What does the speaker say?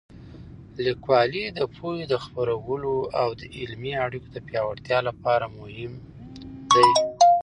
لیکوالی د پوهې د خپرولو او د علمي اړیکو د پیاوړتیا لپاره مهم دی.